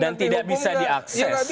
dan tidak bisa diakses